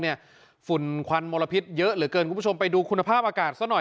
ฝุ่นควันมลพิษเยอะเหลือเกินคุณผู้ชมไปดูคุณภาพอากาศซะหน่อย